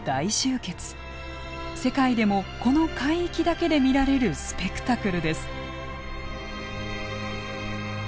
世界でもこの海域だけで見られるスペクタクルです。